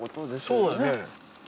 そうだね。